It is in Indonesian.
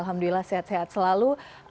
alhamdulillah sehat sehat selalu